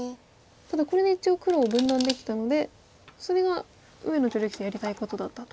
ただこれで一応黒を分断できたのでそれが上野女流棋聖やりたいことだったと。